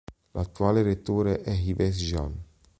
L'attuale rettore è Yves Jean.